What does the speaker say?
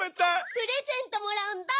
プレゼントもらうんだ！